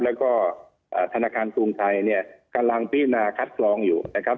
แล้วก็ธนาคารภูมิไทยกำลังพินาคัดครองอยู่นะครับ